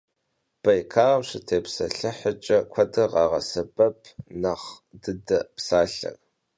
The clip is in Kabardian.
Baykalım şıtêpselhıhç'e, kuedre khağesebep «nexh dıde» psalher.